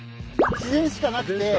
自然しかなくて。